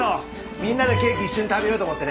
みんなでケーキ一緒に食べようと思ってね。